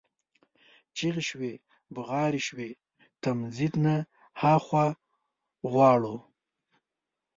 چیغي شوې، بغارې شوې: تمځي نه ها خوا غواړو،